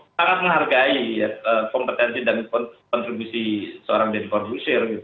sangat menghargai kompetensi dan kontribusi seorang deddy corbusier